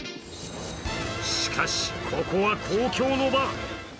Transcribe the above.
しかし、ここは公共の場。